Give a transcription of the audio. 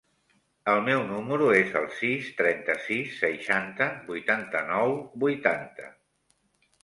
El meu número es el sis, trenta-sis, seixanta, vuitanta-nou, vuitanta.